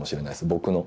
僕の。